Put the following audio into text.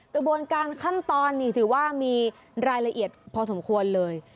กระบวนการขั้นตอนนี่ถือว่ามีรายละเอียดพอสมควรเลย